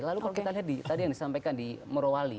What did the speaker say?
lalu kalau kita lihat tadi yang disampaikan di morowali